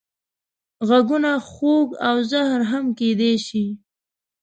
غږونه خوږ او زهر هم کېدای شي